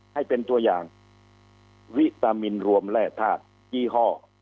ให้เป็นตัวอย่างวิตามินรวมแร่ธาตุยี่ห้อ